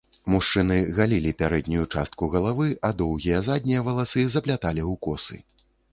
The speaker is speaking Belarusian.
Мужчыны галілі пярэднюю частку галавы, а доўгія заднія валасы запляталі ў косы.